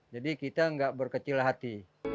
jadi kita gak berkecil hati